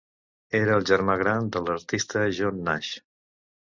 Era el germà gran de l'artista John Nash.